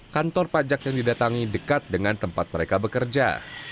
kantor pajak yang didatangi dekat dengan tempat mereka bekerja